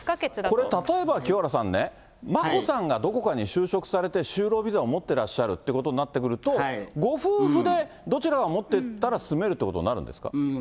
これ、例えば清原さんね、眞子さんがどこかに就職されて、就労ビザを持ってらっしゃるということになってくると、ご夫婦でどちらが持ってたら住めるということになるんですか。